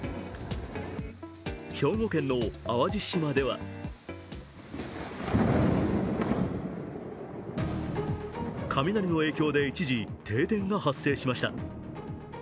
兵庫県の淡路島では雷の影響で一時、停電が発生しました。